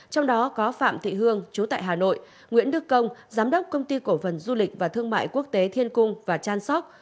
trong đó có phạm thị hương chú tại hà nội nguyễn đức công giám đốc công ty cổ phần du lịch và thương mại quốc tế thiên cung và chan sóc